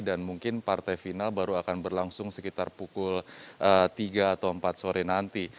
dan mungkin partai final baru akan berlangsung sekitar pukul tiga atau empat sore nanti